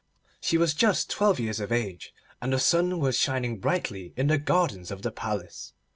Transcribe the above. She was just twelve years of age, and the sun was shining brightly in the gardens of the palace.